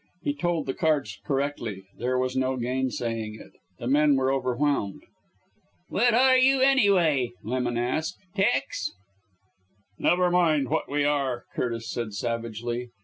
He told the cards correctly there was no gainsaying it. The men were overwhelmed. "What are you, anyway?" Lemon asked; "tecs?" "Never mind what we are!" Curtis said savagely.